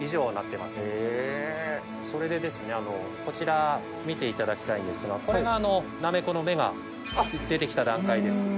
それでですねこちら見ていただきたいんですがこれがなめこの芽が出て来た段階です。